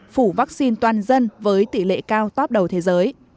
phủ vaccine toàn dân với tỷ lệ cao top đầu thế giới